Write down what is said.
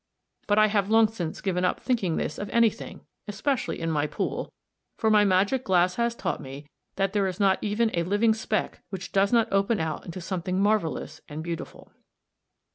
But I have long since given up thinking this of anything, especially in my pool, for my magic glass has taught me that there is not even a living speck which does not open out into something marvellous and beautiful.